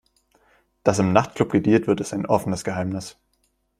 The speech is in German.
Dass im Nachtclub gedealt wird, ist ein offenes Geheimnis.